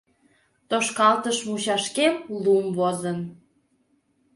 Тошкалтыш мучашкем лум возын